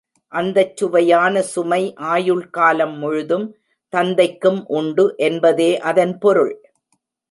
அந்தச் சுவையான சுமை ஆயுள்காலம் முழுதும் தந்தைக்கும் உண்டு என்பதே அதன் பொருள்.